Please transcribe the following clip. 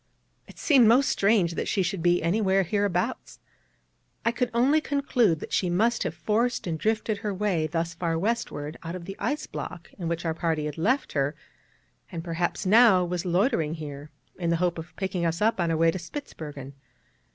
It seemed most strange that she should be anywhere hereabouts: I could only conclude that she must have forced and drifted her way thus far westward out of the ice block in which our party had left her, and perhaps now was loitering here in the hope of picking us up on our way to Spitzbergen.